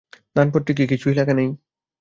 দানপত্রে কি কিছুই লেখা নেই?